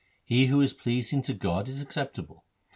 He who is pleasing to God is acceptable.